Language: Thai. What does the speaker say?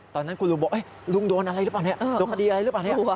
ตอนนั้นคุณลุงบอกลุงโดนอะไรหรือเปล่าลุงดีอะไรหรือเปล่า